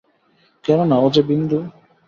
কেননা, ও যে বিন্দু।